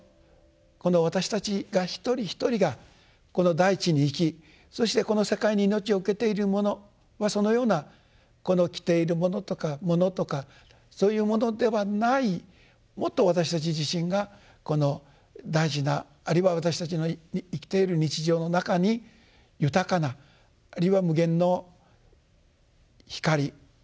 この私たちが一人一人がこの大地に生きそしてこの世界に命を受けているものはそのようなこの着ているものとか物とかそういうものではないもっと私たち自身が大事なあるいは私たちの生きている日常の中に豊かなあるいは無限の光風そういうものの中に